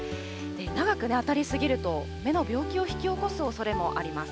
長く当たり過ぎると、目の病気を引き起こすおそれもあります。